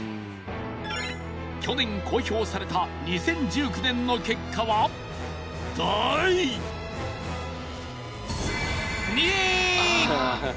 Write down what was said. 去年公表された２０１９年の結果は第２位！